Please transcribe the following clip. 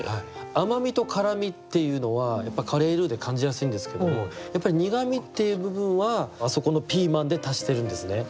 甘みと辛みっていうのはカレールーで感じやすいんですけども苦みっていう部分はあそこのピーマンで足してるんですね。